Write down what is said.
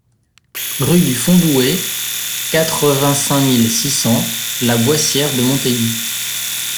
Rue du Fondouet, quatre-vingt-cinq mille six cents La Boissière-de-Montaigu